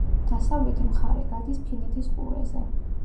დასავლეთი მხარე გადის ფინეთის ყურეზე.